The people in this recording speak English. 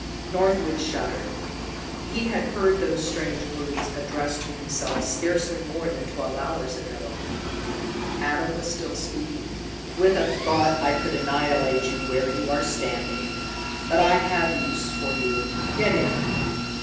Northwood shuddered. He had heard those strange words addressed to himself scarcely more than twelve hours ago. Adam was still speaking: "With a thought I could annihilate you where you are standing. But I have use for you. Get in."